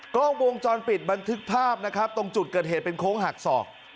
กล้องวงจรปิดบันทึกภาพนะครับตรงจุดเกิดเหตุเป็นโค้งหักศอก